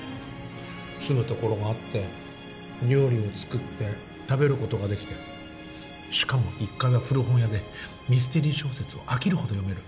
住む所があって料理を作って食べることができてしかも１階は古本屋でミステリー小説を飽きるほど読める。